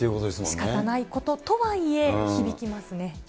しかたないこととはいえ、響きますね。